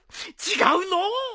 違うのう！